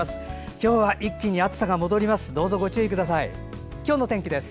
今日は一気に暑さが戻ります。